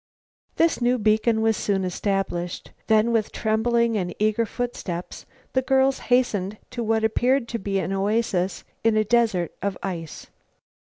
This new beacon was soon established. Then, with trembling and eager footsteps, the girls hastened to what appeared to be an oasis in a desert of ice.